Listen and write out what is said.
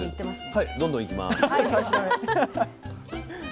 はいどんどんいきます。